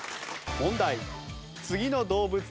問題。